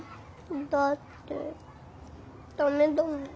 だってダメだもん。